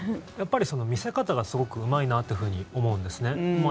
やっぱり見せ方がすごくうまいなと思うんですね。